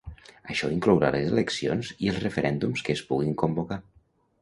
Això inclourà les eleccions i els referèndums que es puguin convocar.